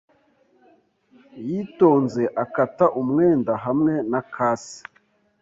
yitonze akata umwenda hamwe na kasi.